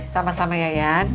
sama sama ya iyan